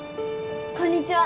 こんにちは。